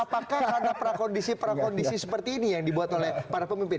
apakah karena prakondisi prakondisi seperti ini yang dibuat oleh para pemimpin